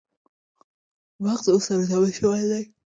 مغز اوس ارزول شوی دی